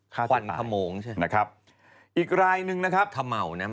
ฮวันหัมโมงใช่ไหมนะครับอีกลายนึงนะครับ